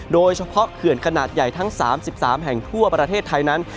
เขื่อนขนาดใหญ่ทั้ง๓๓แห่งทั่วประเทศไทยนั้น